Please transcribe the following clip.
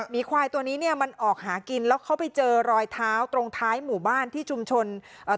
มีควายตัวนี้เนี่ยมันออกหากินแล้วเขาไปเจอรอยเท้าตรงท้ายหมู่บ้านที่ชุมชนเอ่อ